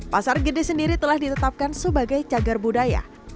pasar gede sendiri telah ditetapkan sebagai cagar budaya